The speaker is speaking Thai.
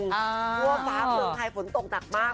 เพราะว่าฝ้าเมืองไทยฝนตกหนักมาก